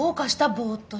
ぼっとして。